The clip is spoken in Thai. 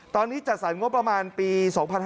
ตอนนี้จัดสรรงบประมาณปี๒๕๕๙